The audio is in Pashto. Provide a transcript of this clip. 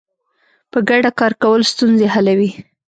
په ګډه کار کول ستونزې حلوي.